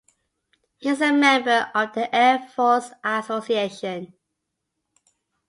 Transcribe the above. He is a member of the Air Force Association.